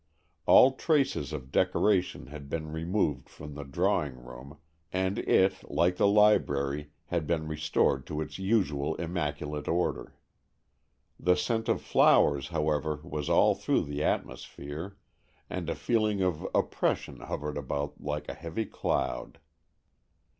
All traces of decoration had been removed from the drawing room, and it, like the library, had been restored to its usual immaculate order. The scent of flowers, however, was all through the atmosphere, and a feeling of oppression hovered about like a heavy cloud.